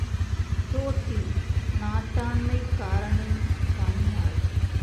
தோட்டி நாட்டாண்மைக்காரனின் பணியாள்.